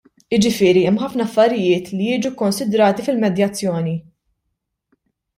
Jiġifieri hemm ħafna affarijiet li jiġu kkonsidrati fil-medjazzjoni.